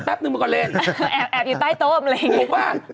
แต่แป๊บหนึ่งมึงก็เล่นแอบแอบอยู่ใต้โต้มอะไรอย่างงี้ถูกป่ะ